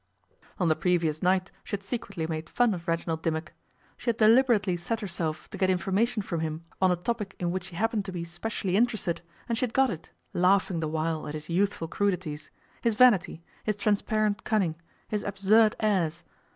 On the previous night she had secretly made fun of Reginald Dimmock. She had deliberately set herself to get information from him on a topic in which she happened to be specially interested and she had got it, laughing the while at his youthful crudities his vanity, his transparent cunning, his absurd airs.